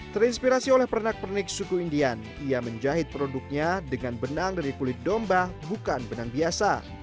terinspirasi oleh pernak pernik suku indian ia menjahit produknya dengan benang dari kulit domba bukan benang biasa